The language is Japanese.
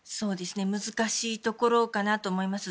難しいところかなと思います。